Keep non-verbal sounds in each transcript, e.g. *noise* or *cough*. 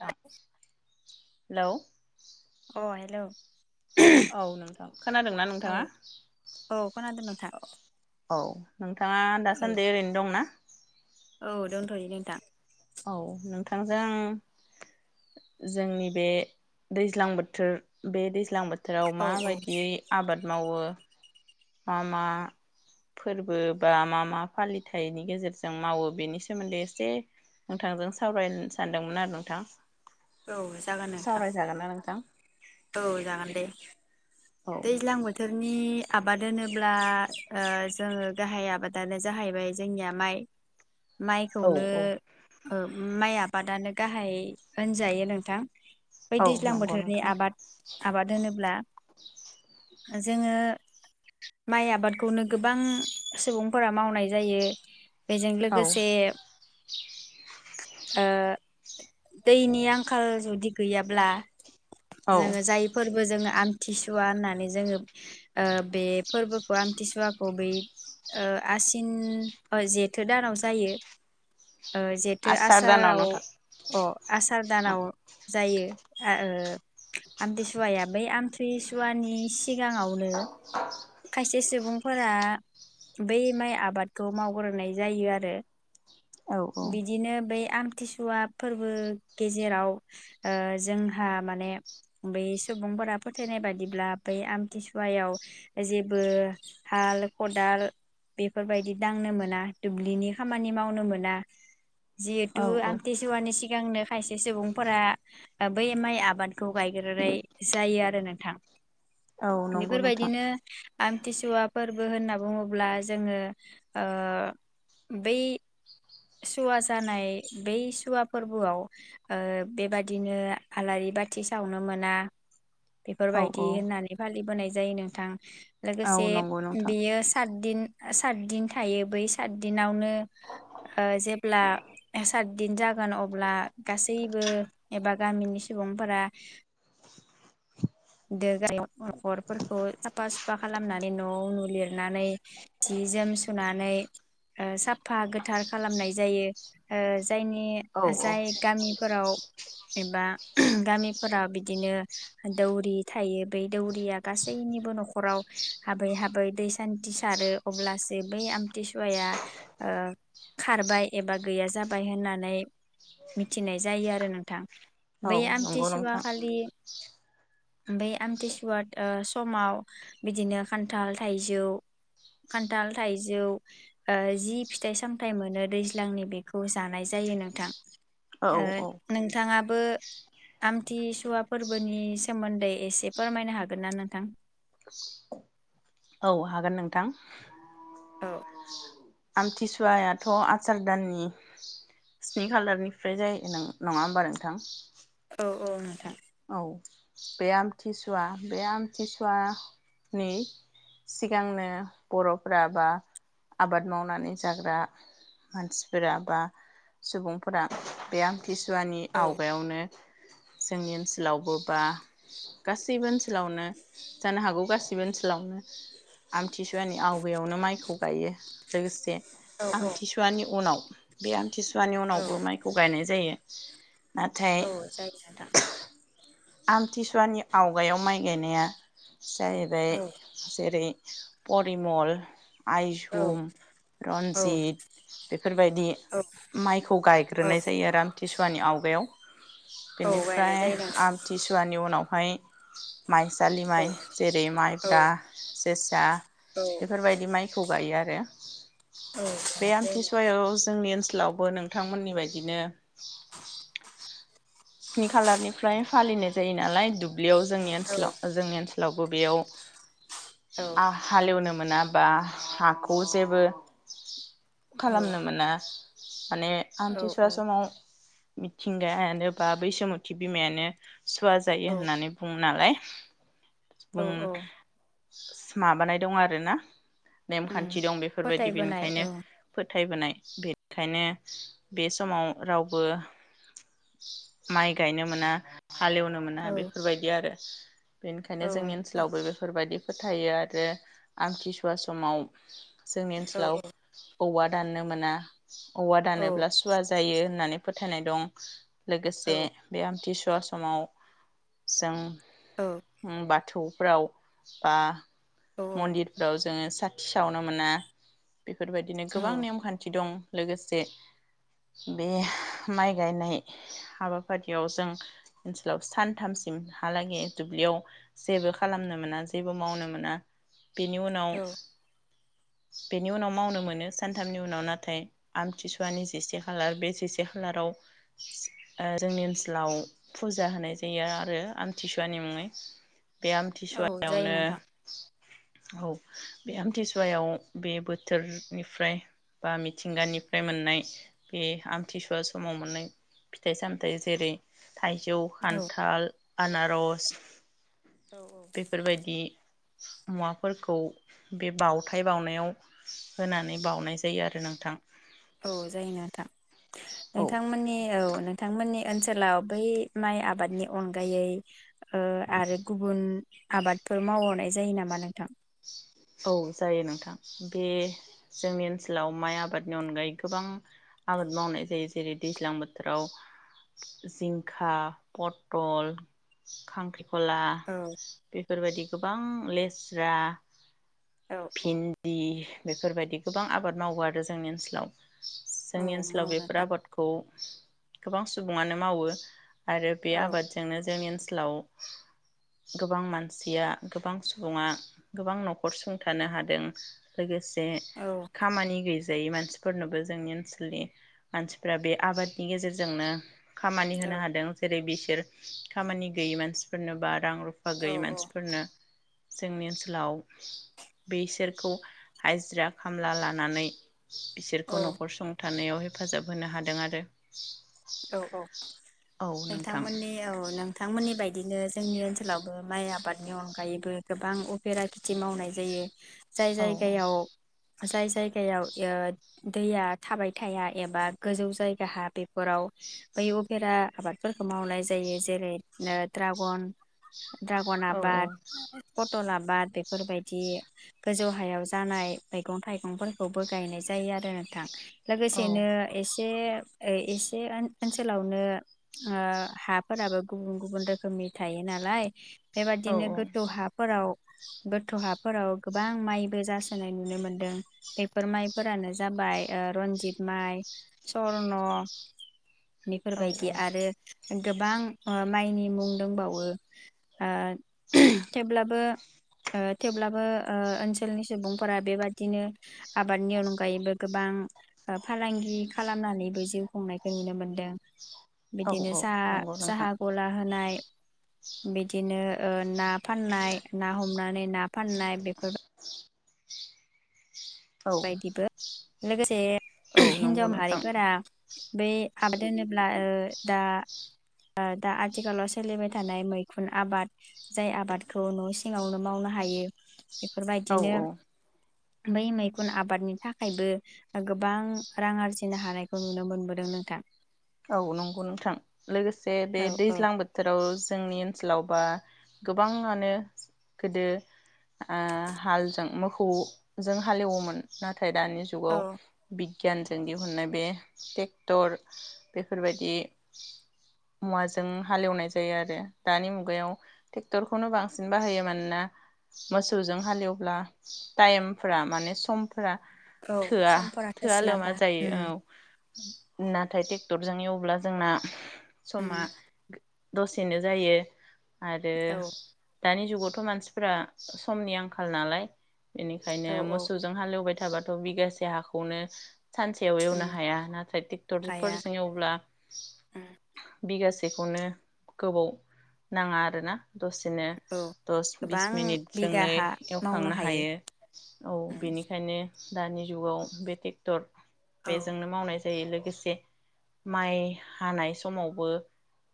Hello अ hello. औ नोंथां खोनादोंना नोंथाङा औ खोनादों नोंथां औ। औ। नोंथाङा दासान्दि ओरैनो दंना। औ दंथ'यो नोंथां। औ नोंथांजों जोंनि बे दैज्लां बोथोर बे दैज्लां बो। थोराव औ माबायदियै आबाद मावो। मा मा फोरबो बा मा मा फालिथाइनि गेजेरजों मावो बेनि सोमोन्दै एसे नोंथांजों सावरायनो सानदोंमोन आरो नोंथां। औ जागोन नोंथां सावरायजागोन ना नोंथां। औ जागोन दे औ दैज्लां बोथोर। नि आबाद होनोब्ला आ जोङो गाहाय आबादानो जाहैबाय जोंनिया माइ। माइखौनो। उम माइ आबादानो गाहाइ होनजायो नोंथां। बै औ दैज्लां नंगौ बोथोरनि नोंथां आबाद। आबाद होनोब्ला जोंङो माइ आबादखौनो गोबां सुबुंफोरा मावनाय जायो। बेजों औ लोगोसे ओ दैनि आंखाल जुदि गैयाब्ला औ जोंङो जायफोरबोजों आमथिसुवा होननानै जोंङो ओ बे फोरबोखौ आमथिसुवाखौ बै आसिन जेथो दानाव जायो। ओ जिहेथु आसार दानाव आसाराव नोंथां अ आसार दानाव जायो। आ ओब आमथसुवाया बै आमथसुवानि सिगांङावनो खायसे सुबुं फोर बै माइ आबादखौ मावग्रोनाय जायो आरो। औ बिदिनो बेै आमथिसुवा फोरबो गेजेराव ओ जोंहा माने बै सुबुंफोरा फोथायनाय बादिब्ला बै आमथिसुवायाव जेबो हाल खदाल बेफोरबायदि दांनो मोना दुब्लिनि खामानि मावनो मोना जिहेतु औ आम औ थिसुवानि सिगांनो खायसे सुबुंफोरा बै माइ आबाद खौ गायग्रोनाय जायो आरो नोंथां। औ नंगौ नोंथां बेफोरबायदिनो आमथिसुवा फोरबो होनना बुंङोब्ला जोंङो ओ बै सुवा जानाय बै सुवा फोरबोआव ओ बेबादिनो आलारि बाथि सावनो मोना। औ औ बेफोरबायदि होननानै फालिबोनाय जाय नोंथां औ लोगोसे नंगौ नोंथां बेयो सातदिन सातदिन थायो बै सात दिनावनो ओ जेब्ला सातदिन जागोन अब्ला गासैबो एबा गामिनि सुबुंफोरा *unintelligible* नखरफोरखौ साफा सुफा खालामनानै न' न' लिरनानै जि जोम सुनानै ओ साफा गोथार खालामनाय जायो। ओ जायनि औ औ जाय गामिफोराव एबा गामिफोराव बिदिनो दौरि थायो बै दौरिया गासैनिबो न'खराव हाबै हाबै दै सान्थि सारो अब्लासो बै आमथिसुवाया ओ खारबाय एबा गैया जाबाय होननानै मिथिनाय जायो आरो नोंथां। औ बै नंगौ आमथिसुवा नोंथां खालि बै आमथिसुवा समाव बिदिनो खान्थाल थाइजौ खान्थाल थाइजौ ओ जि फिथाइ सामथाइ मोनो दैज्लांनि बेखौ जानाय जायो नोंथां। औ ओ औ नोंथांङाबो आमथि सुवा फोर्बोनि सोमोन्दै एसे फोरमायनो हागोन ना नोंथां? औ हागोन नोंथां। औ आमथिसुवायाथ' आसार दाननि स्नि खालारनिफ्राय जायो न नङा होमबा नोंथां? औ औ नोंथां। औ बे आमथिसुवा बे आमथिसुवानि सिगांनो बर'फोरा बा आबाद मावनानै जाग्रा मानसिफोरा बा सुबुंफोरा बे आम थिसुवानि औ आवगायावनो। जोंनि ओनसो लावबोबा। गासैबो ओनसो सोलावनो जानो हागौ गासिबो ओनसोलावनो आमथिसुवानि आवगायावनो माइखौ गायो। लोगोसे आमथिसुवानि उनाव बे आम थिसुवानि उनावबो माइखौ गायनाय जायो। *inaudible* नाथाय औ जायो नोंथां। आमथिसुवानि आवगायाव माइ गायनाया जाहैबाय औ जेरै परिमल आइजुम औ रन्जित बेफोरबायदि माइखौ औ गायग्रोनाय जायो आरो आमथि थिसुवानि आवगायाव औ गायनाय बेनिफ्राय जायो नोंथां आल नि उनावहाय माइसालि माइ जेरै औ माइब्रा जोसा औ बेफोरबायदि माइखौ गायो आरो औ *unintelligible* बे गायनाय जायो नोंथां आमथिसुवायाव जोंनि ओनसो लावबो नोंथांमोननि बायदिनो स्नि खालारनिफ्राय फालिनाय जायो नालाय दुब ब्लियाव जोंनि औ ओनसोलाव जोंनि ओनसो लावबो बेयाव औ आ हाल एवनो मोनाबा हाखौ जेबो औ खालामनो मोना *inaudible* माने औ आमथिसुवा समाव मिथिंगायानो बा बैसुमुथि बिमायानो सुवा जायो होननानै बुङो नालाय *inaudible* बुं औ औ माबानाय दं आर ना? उम नेमखान्थि दं बेफोरबायदि फोथायबोनाय बेनिखायनो औ फोथायबोनाय बेनिखायनो बे समाव रावबो माइ गायनो मोना। हालेवनो मोना औ बेफोरबायदि आरो बेनिखायनो औ जोंनि ओनसोलावबो बेफोरबायदि फोथायो आरो आमखिसुवा समाव जोंनि औ ओनसोलाव औवा दाननो मोना औवा दानोब्ला सुवा जायो होननानै फोथायनाय दं। औ लोगोसे बे आमथिस फवा समाव जों औ बाथौ फ्रा बा औ मन्दिरफ्राव जोङो साथि सावनो मोना बेफोरबायदिनो गोबां नेमखान्थि दं लोगोसे बे माइ गायनाय हाबाफारियाव जों ओनसोलाव सानथामसिमहालागै दुब्लियाव जेबो खालामनो मोना जेबो मावनो मोना। बेनि उनाव औ बेनि उनाव मावनो मोनो सानथामनि उनाव नाथाय आमथिसुवानि जिसे खालार बे जिसे खालाराव जोंनि ओनसोलाव फुजा होनाय जायो आरो आमथिसुवानि मुङै। बे औ जायो आमथिसुवायावनो नोंथां औ बे आमथिसुवायाव बे बोथोरनिफ्राय बा मिथिंगानिफ्राय मोननाय बे आमथिसुवा समाव मोननाय फिथाइ सामथायाइ जेरै थाइजौ, औ खान्थाल आनारस बेफोरबायदि मुवाफोरखौ बे बावथाय बावउनायाव होनानै बाउनाय जायो आरो नोंथां। औ जायो नो नोंथां औ नोंथांमोननि औ नोंथांमोननि ओनसोलाव बै माइ आबादनि अनगायै आरो गुबुन आबादफोर मावहरनाय जायो नामा नोंथां औ जायो नोंथां बे जोंनि ओनसोलाव माइ आबादनि अनगायै गोबां आबाद मावनाय जायो जेरै दैज्लां बोथोराव जिंखा पथल खांख्रि ला औ बेफोरबायदि गोबां लेस्रा औ औ भिन्दि बेफोरबायदि गोबां आबाद मावो आरो जोंनि ओनसोलाव औ जोंनि ओनसोलाव मावो बेफोर नोंथां आबादखौ गोबां सुबुङानो मावो आरो बे औ आबादजोंनो जोंनि ओनसोल लाव गोबां मानसिया गोबां सुबुङा गोबां नख हरसुंथानो हादों लोगोसे जे औ खामानि गै जायै मानसिफोरनोबो जोंनि ओनसोलनि मानसिफोरा बे आबादनि गेजेरजोंनो खामानि औ होनो हादों जेरै बिस खामानि गैयै मानसिफोरनो बाद रां रुफा गैयै औ मानसिफोरनो जोंनि ओनसोलाव बिसोरखौ हाजिरा खामला लानानै औ बिसोरखौ न'खर सं थानायाव हेफाजाब होनो हादों आरो औ औ औ नोंथां नोंथांमोननि औ नोंथांमोननि बायदिनो जोंनि ओनसोलाव माइ आबादनि अनगायैबो गोबां उफेरा खेथि मावनाय जायो जाय औ जायगायाव जाय जायगायाव ओ दैया थाबाय थाया एबा गोजौ जायगाहा बेफोराव बै उफेरा आबादफोरखौ मावनाय जायो जेरै ओ ड्रागन ड्रागन औ आबाद फटला आबाद बेफोरबायदि गोजौ हायाव जानाय मैगं थाइगंफोरखौबो गायनाय जायो आरो नोंथां औ लोगोसेनो एसे ए ओ ए बे ओन ओनसोलावनो ओ हाफोराबो गुबुन गुबुन रोखोमनि थायो नालाय औ बेबादिनो गोथौ हाफोराव गोथौ हाफोराव गोबां माइबो जासोनाय नुनो मोनदों बेफोर माइफोरानो जाबाय रन्जित माइ स्वर्न बेफोरबायदि औ आरो गोबां ओ माइनि मुं दंबावो ओ थेवब्लाबो ओ थेवब्लाबो ओ ओनसोलनि सुबुंफोरा बेबादिनो आबादनि अनगायैबो गोबां फालांगि खालामनानैबो जिउ संनायखौ नुनो मोनदों। औ बिदिनो औ साहा नंगौ साहा नोंथां गला होनाय। बिदिनो ओ ना फाननाय ना हमनानै ना फाननाय बेफोर औ बायदिबो लोगोसे औ हिनजाव नंगौ नोंथां माहारिफोरा बै आबाद होनोब्ला ओ दा दा आथिखालाव सोलिबाय थानाय मैखुन आबाद जाय आबादखौ न' सिङावनो मावनो हायो औ फोरबायदिनो औ बै मै खुन आबादनि थाखायबो गोबां रां आरजिनो हानायखौ नुनो मोनबोदों नोंथां। औ नंगौ नोंथां लोगोसे बे औ औ दैज्लां बोथोराव जोंनि सोलावबा गोबाङानो गोदो आ हालजों मोखौजों हालेवोमोन ना थाय दानि औ जुगाव बि गियानजों दिहुननाय बे टेकटर बेफोरबायदि मुवाजों हालेवनाय जायो आरो दानि मुगायाव टेकटरखौनो बांसिन बाहायो मानोना मोसौजों हालेवब्ला टाइमफ्रा माने सम फोरा औ थोआ समफोरा थोआ लोमा थोस्लाबा उम जायो औ नाथाय टेक टरजों एवब्ला जोंना उम समा दसेनो जायो। आरो औ दानि जुगावथ' मानसिफ्रा समनि आंखाल नालाय इनिखायनो औ औ मोसौजों हालेवबाय थाबाथ' बिगासे हाखौनो सानसेयाव एवनो हाया नाथाय टेकटर फोर हाया एवब्ला बिगासेखौनो गोबाव नाङा आरोना दसेनो औ दस बिस गोबां बिगा मिनिटजोंनो हा मावनो एवखांनो हायो औ बेनिखायनो दानि जुगाव बे टेकटर औ बेजोंनो मावनाय *unintelligible* लोगोसे माइ हानाय समावबो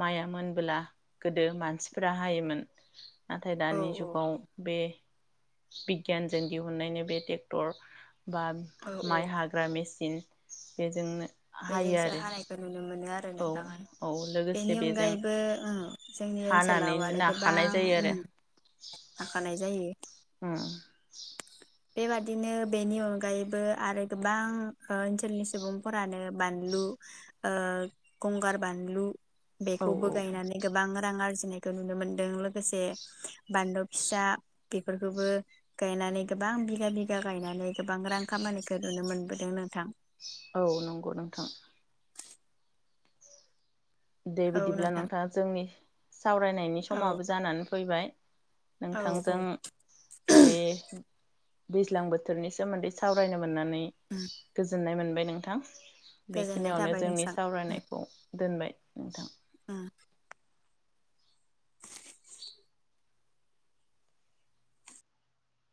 माइआ मोनबोला गोदो मानसिफोरा हायोमोन। नाथाय औ दानि औ जुगाव बे बिगियानजों दिहुननायनि बे टेकटर बा औ औ माइ हाग्रा मेचिन बेजोंनो हायो बेजोंसो आरो हनाय *unintelligible* औ *unintelligible* औ लोगोसे बेनि बेजों अनगायैबो जोंनि ओ ओनसोलाव हानानैनो आरो गोबां नाखानाय जायो आरो उम थाखानाय जायो। उम। बेबादिनो बेनि अनगायैबो आरो गोबां ओ ओनसोलनि सुबुंफोरानो बानलु ओ गंगार बानलु। औ बेखौबो गायनानै गोबां रां आरजि। बेखौ नुनो मोन्दों। लोगोसे बान्दो फिसा। बेफोरखौबो गायनानै। गोबां बिगा बिगा गायनानै गोबां रां खामानिखौ नुनो मोनबोदों नोंथां। औ नंगौ नोंथां। दे औ बिदिब्ला नोंथां नोंथाङा जोंनि। सावरायनायनि औ समाबो जानानै फैबाय। औ औ नोंथांजों बे दैज्लां बोथोरनि सोमोन्दै सावरायनो। होनानै गोजोननाय मोन। ओमफ्राय नोंथां। गोजोननाय बेखिनियावनो थाबाय जोंनि नोंसां। सावरायनायखौ। दोनबाय। नोंथां। *inaudible*